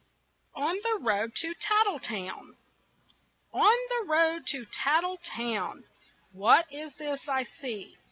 ON THE ROAD TO TATTLETOWN On the road to Tattletown What is this I see?